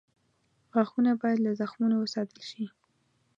غاښونه باید له زخمونو وساتل شي.